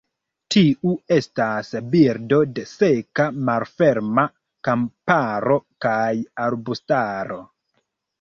Tiu estas birdo de seka malferma kamparo kaj arbustaro.